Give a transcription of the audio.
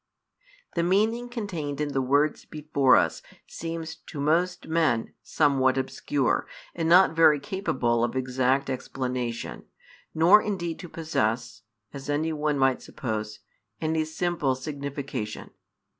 The meaning contained in the words before us seems |172 to most men somewhat obscure and not very capable of exact explanation, nor indeed to possess (as any one might suppose) any simple signification.